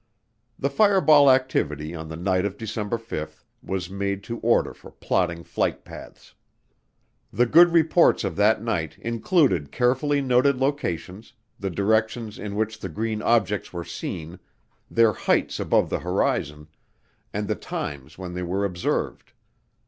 The fireball activity on the night of December 5 was made to order for plotting flight paths. The good reports of that night included carefully noted locations, the directions in which the green objects were seen, their heights above the horizon, and the times when they were observed.